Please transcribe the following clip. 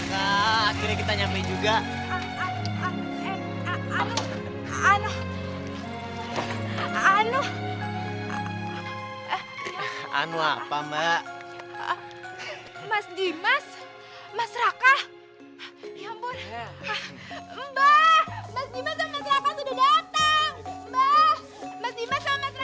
mereka terlalu banyak yang cherish untuk they are